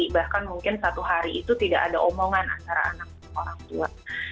bahkan mungkin satu hari itu tidak ada omongan antara anak dan orang tua